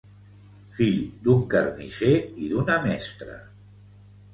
Fill d'un carnisser i d'una mestra.